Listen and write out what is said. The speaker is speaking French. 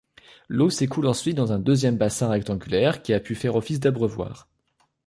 L'eau s'écoule ensuite dans un deuxième bassin rectangulaire, qui a pu faire office d'abreuvoir.